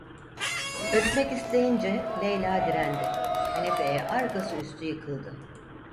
Öpmek isteyince, Leyla direndi; kanepeye arkası üstü yıkıldı.